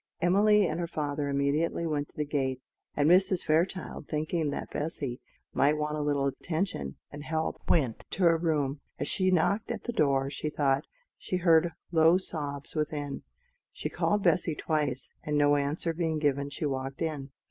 Emily and her father immediately went to the gate; and Mrs. Fairchild, thinking that Bessy might want a little attention and help, went to her room. As she knocked at the door she thought she heard low sobs within; she called Bessy twice, and no answer being given she walked in.